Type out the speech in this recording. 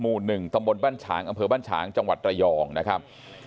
หมู่๑ตำบลบ้านฉางอำเภอบ้านฉางจังหวัดระยองนะครับ